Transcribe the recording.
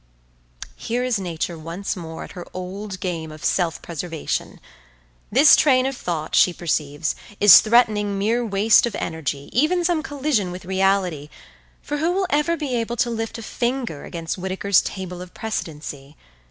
Here is nature once more at her old game of self preservation. This train of thought, she perceives, is threatening mere waste of energy, even some collision with reality, for who will ever be able to lift a finger against Whitaker's Table of Precedency?